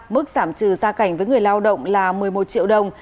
mức giảm trừ gia cảnh với người lao động là một mươi một triệu đồng